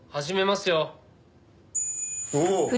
始めますよ。